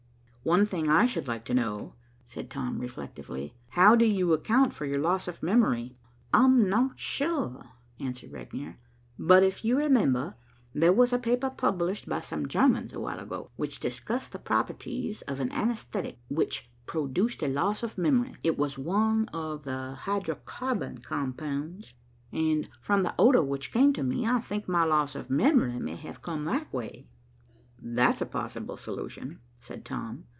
"One thing I should like to know," said Tom reflectively, "How do you account for your loss of memory?" "I'm not sure," answered Regnier, "but, if you remember, there was a paper published by some Germans a while ago, which discussed the properties of an anaesthetic which produced a loss of memory. It was one of the hydrocarbon compounds, and from the odor which came to me, I think my loss of memory may have come that way." "That's a possible solution," said Tom.